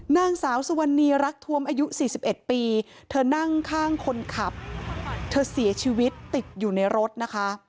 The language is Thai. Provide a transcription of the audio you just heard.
นางสาวสุวรรณีรักทวมอายุ๔๑ปีเธอนั่งข้างคนขับเธอเสียชีวิตติดอยู่ในรถนะคะ